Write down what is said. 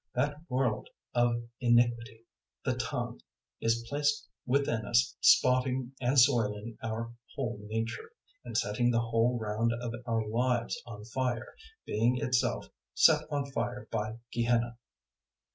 That world of iniquity, the tongue, is placed within us spotting and soiling our whole nature, and setting the whole round of our lives on fire, being itself set on fire by Gehenna.